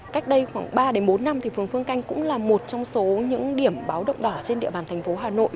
cách đây khoảng ba bốn năm thì phường phương canh cũng là một trong số những điểm báo động đỏ trên địa bàn thành phố hà nội